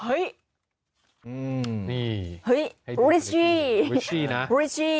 เฮ้ยนี่เฮ้ยบริซี่บริซี่บริซี่